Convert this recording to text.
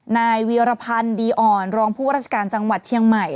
นายเวียรพันธ์ดีอ่อนรองผู้ว่าราชการจังหวัดเชียงใหม่